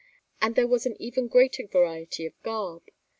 And there was an even greater variety of garb.